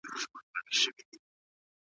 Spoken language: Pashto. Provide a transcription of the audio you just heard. سعید په لوی انګړ کې د قمرۍ د الوتلو ننداره کوي.